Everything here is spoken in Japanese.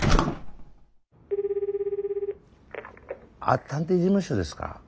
☎あっ探偵事務所ですか？